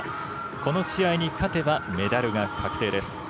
この試合に勝てばメダルが確定です。